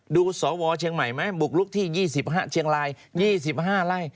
สวเชียงใหม่ไหมบุกลุกที่๒๕เชียงราย๒๕ไร่